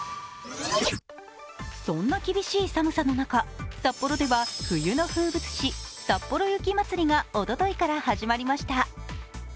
そんな厳しい寒さの中、札幌では冬の風物詩、さっぽろ雪まつりがおとといから始まりました。